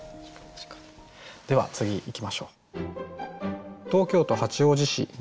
では次いきましょう。